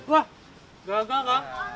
wah gagal kang